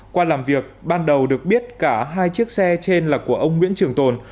qua làm việc ban đầu được biết cả hai chiếc xe trên là của ông nguyễn trường tồn